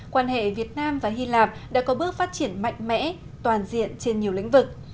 quan hệ việt nam và hy lạp đã có bước phát triển mạnh mẽ toàn diện trên nhiều lĩnh vực